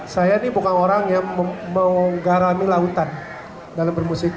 saya ini bukan orang yang menggarami lautan dalam bermusik